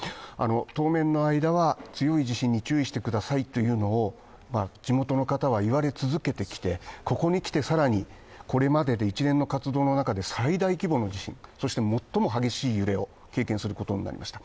当面の間は強い地震に注意してくださいというのを地元の方はいわれ続けてきて、ここにきて更にこれまでで一連の活動の中で最大規模の地震、そして最も激しい揺れを経験することになりました。